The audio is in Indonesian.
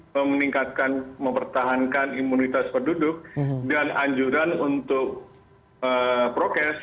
memeningkatkan mempertahankan imunitas penduduk dan anjuran untuk prokes